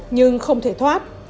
nhưng không thể thoát